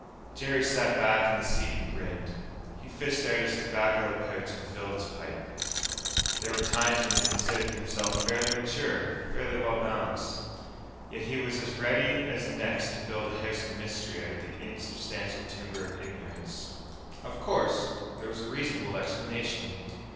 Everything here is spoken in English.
_ Jerry sat back in the seat and grinned. He fished out his tobacco pouch and filled his pipe. There were times when he considered himself fairly mature, fairly well balanced. Yet he was as ready as the next to build a house of mystery out of the insubstantial timber of ignorance. Of course there was a reasonable explanation.